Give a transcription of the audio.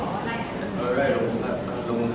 คือการวิ่งไล่ผมนี่นะ